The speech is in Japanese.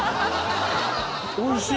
おいしいの？